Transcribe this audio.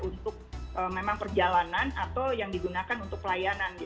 untuk memang perjalanan atau yang digunakan untuk pelayanan